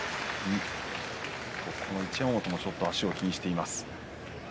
一山本も足をちょっと気にしています。